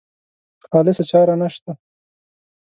خالصه چاره نشته.